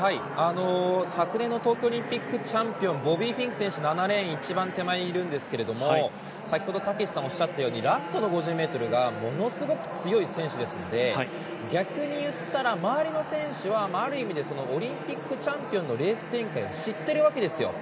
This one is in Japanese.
昨年の東京オリンピックチャンピオンボビー・フィンク選手が７レーンにいるんですが先ほど、丈志さんがおっしゃったようにラストの５０ｍがものすごく強い選手ですので逆に言ったら、周りの選手はある意味でオリンピックチャンピオンのレース展開を知っているわけですよ。